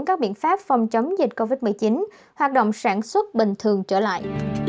các biện pháp phòng chống dịch covid một mươi chín hoạt động sản xuất bình thường trở lại